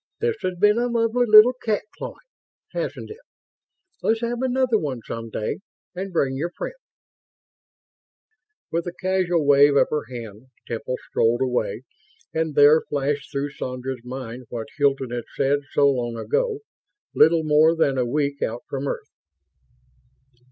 This has been a lovely little cat clawing, hasn't it? Let's have another one some day, and bring your friends." With a casual wave of her hand, Temple strolled away; and there, flashed through Sandra's mind what Hilton had said so long ago, little more than a week out from Earth